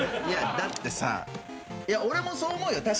いやだってさ俺もそう思うよ